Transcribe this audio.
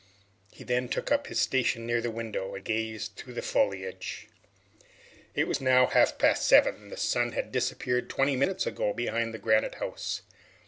He then took up his station near the window and gazed through the foliage. It was now half past seven. The sun had disappeared twenty minutes ago behind Granite House.